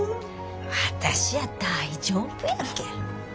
私は大丈夫やけん。